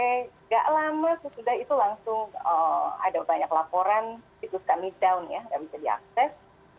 tidak lama sesudah itu langsung ada banyak laporan situs kami down ya nggak bisa diakses